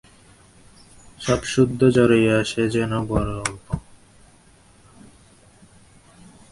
সবসুদ্ধ জড়াইয়া সে যেন বড়ো স্বল্প।